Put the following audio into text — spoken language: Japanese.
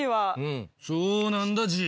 そうなんだＧ。